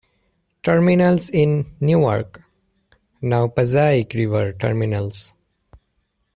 Terminals in Newark, now Passaic River Terminals.